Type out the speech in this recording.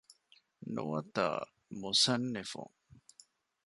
ނުވަތަ މުޞައްނިފުން